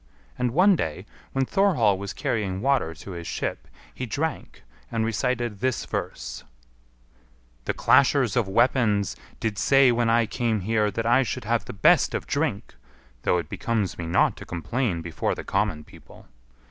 And one day, when Thorhall was carrying water to his ship, he drank, and recited this verse: "The clashers of weapons did say when I came here that I should have the best of drink (though it becomes me not to complain before the common people).